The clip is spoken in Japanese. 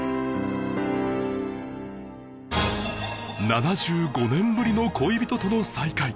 ７５年ぶりの恋人との再会